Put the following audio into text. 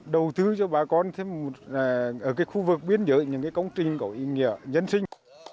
đầu tư cho bà con ở khu vực biên giới những công trình có ý nghĩa dân sinh